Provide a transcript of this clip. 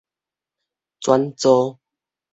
轉租